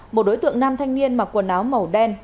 một đối tượng nam thanh niên mặc quần áo màu đen